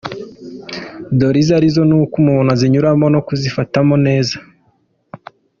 Dore izo arizo n’uko umuntu azinyuramo no kuzifatamo neza :